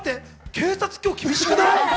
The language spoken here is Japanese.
警察、今日厳しくない？